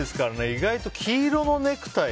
意外と黄色のネクタイ。